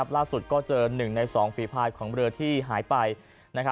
ล่าสุดก็เจอ๑ใน๒ฝีภายของเรือที่หายไป